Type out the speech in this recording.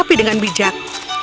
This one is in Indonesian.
tapi dengan bijak